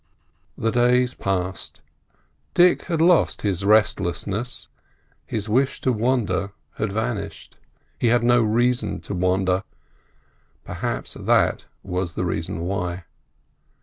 The days passed. Dick had lost his restlessness: his wish to wander had vanished. He had no reason to wander; perhaps that was the reason why.